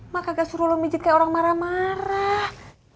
mak kagak suruh lu pijit kayak orang marah marah